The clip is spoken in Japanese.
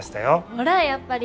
ほらやっぱり。